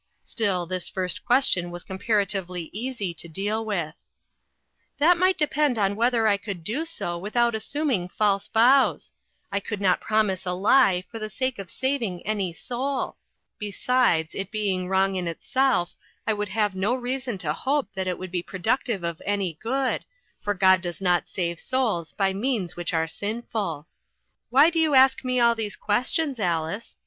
Still, this first question was com paratively easy to deal with. 340 INTERRUPTED, " That might depend on whether I could do so without assuming false vows. I could not promise a lie for the sake of saving any soul. Besides, it being wrong in itself, I would have no reason to hope that it would be productive of any good ^ for God does not save souls by means which are sinful. Why do you ask me all these questions, Alice?